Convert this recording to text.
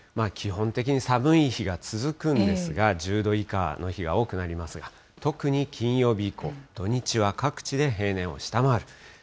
基本的に寒い日が続くんですが、１０度以下の日が多くなりますが、特に金曜日以降、土日は各地で平年を下回る。